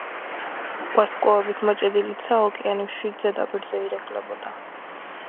ვარსკვლავებით მოჭედილი ცა ოკეანის მშვიდ ზედაპირზე ირეკლებოდა.